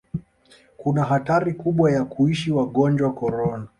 kuna hatari kubwa ya kuishi wagonjwa korona